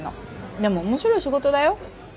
でも面白い仕事だよ。